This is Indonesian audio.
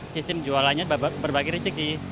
sistem jualannya berbagi rezeki